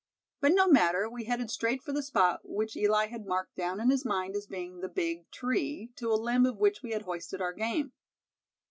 But no matter, we headed straight for the spot which Eli had marked down in his mind as being the big tree, to a limb of which we had hoisted our game.